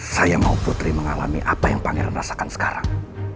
saya mau putri mengalami apa yang pangeran rasakan sekarang